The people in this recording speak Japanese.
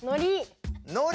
のり！